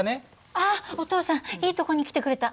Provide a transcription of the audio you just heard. あっお父さんいいとこに来てくれた。